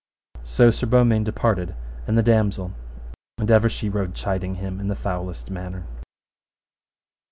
So Sir Beaumains departed and the damosel, and ever she rode chiding him in the foulest manner.